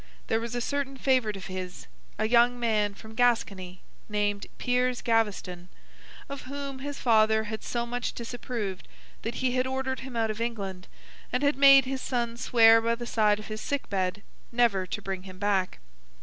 There was a certain favourite of his, a young man from Gascony, named Piers Gaveston, of whom his father had so much disapproved that he had ordered him out of England, and had made his son swear by the side of his sick bed, never to bring him back.